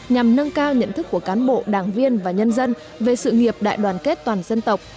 nhằm nâng cao nhận thức của cán bộ đảng viên và nhân dân về sự nghiệp đại đoàn kết toàn dân tộc